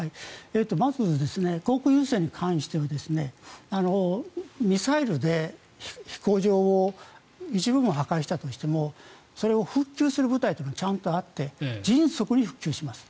まず航空優勢に関してはミサイルで飛行場を一部分を破壊したとしてもそれを復旧する部隊はちゃんとあって迅速に復旧します。